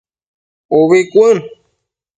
Ubi cuën